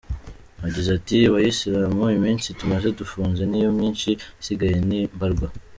Yagize ati “bayisilamu, iminsi tumaze dufunze ni yo myinshi; isigaye ni mbarwa.